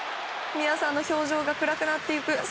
美和さんの表情が暗くなっていく。